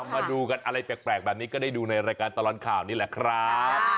มาดูกันอะไรแปลกแบบนี้ก็ได้ดูในรายการตลอดข่าวนี่แหละครับ